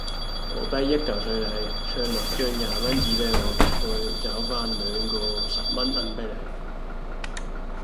我俾一舊水你，唱六張廿蚊紙俾我，再找返兩個十蚊銀俾你